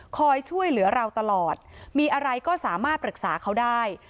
คอยช่วยเหลือเราตลอดมีอะไรก็สามารถปรึกษาเขาได้